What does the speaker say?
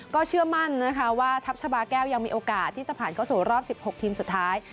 เชื่อมั่นนะคะว่าทัพชาบาแก้วยังมีโอกาสที่จะผ่านเข้าสู่รอบ๑๖ทีมสุดท้าย